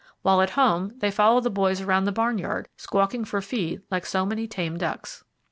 While at home they follow the boys around the barn yard, squawking for feed like so many tame ducks.